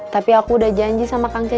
tapi aku udah janji sama kang cek